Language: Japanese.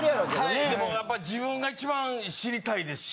はいでもやっぱり自分が一番知りたいですし。